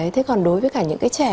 thế còn đối với cả những cái trẻ